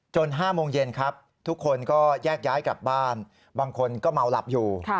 ๕โมงเย็นครับทุกคนก็แยกย้ายกลับบ้านบางคนก็เมาหลับอยู่